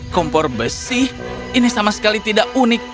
kompor besi ini sama sekali tidak unik